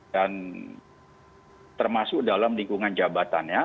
dan termasuk dalam lingkungan jabatannya